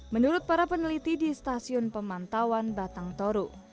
menurut para peneliti di stasiun pemantauan batang toru